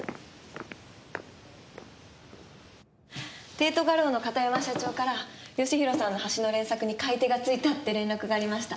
帝都画廊の片山社長から義弘さんの橋の連作に買い手が付いたって連絡がありました。